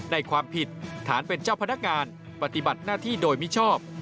ในความผิดฐานเป็นเจ้าพนักงานปฏิบัติหน้าที่โดยมิชอบ